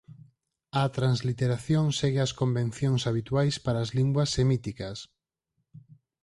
A transliteración segue as convencións habituais para as linguas semíticas.